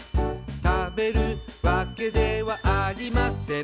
「食べるわけではありません」